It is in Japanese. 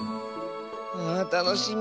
あたのしみ。